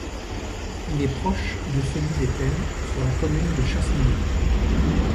Il est proche de celui des Peines, sur la commune de Chasseneuil.